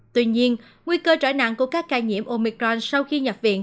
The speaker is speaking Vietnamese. tuy nhiên nguy cơ trở nặng của các ca nhiễm omicron sau khi nhập viện